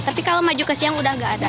tapi kalau maju ke siang udah gak ada